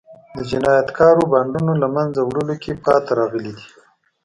د جنایتکارو بانډونو له منځه وړلو کې پاتې راغلي دي.